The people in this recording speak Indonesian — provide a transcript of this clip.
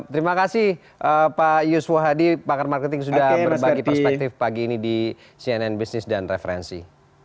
terima kasih pak yuswo hadi pakar marketing sudah berbagi perspektif pagi ini di cnn business dan referensi